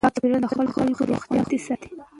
پاک چاپېریال د خلکو روغتیا خوندي ساتي.